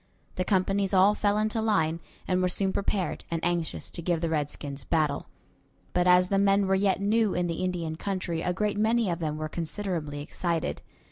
The companies all fell into line, and were soon prepared and anxious to give the redskins battle; but as the men were yet new in the Indian country a great many of them were considerably excited.